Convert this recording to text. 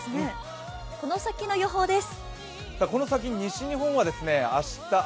この先の予報です。